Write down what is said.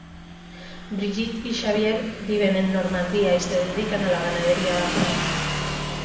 Brigitte y Xavier viven en Normandía y se dedican a la ganadería vacuna.